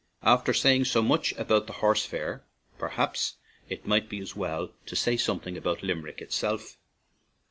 After saying so much about the horse fair, perhaps it might be as well to say something about Limerick itself.